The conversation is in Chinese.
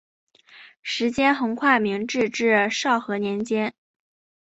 时间横跨明治至昭和年间。